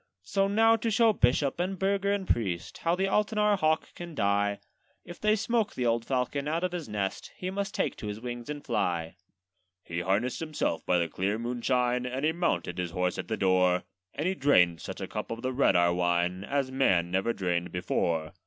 'So now to show bishop, and burgher, and priest, How the Altenahr hawk can die: If they smoke the old falcon out of his nest, He must take to his wings and fly.' He harnessed himself by the clear moonshine, And he mounted his horse at the door; And he drained such a cup of the red Ahr wine, As man never drained before.